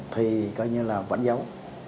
thì coi như là vẫn giấu